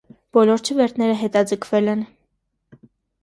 Բոլոր չվերթները հետաձգվել են։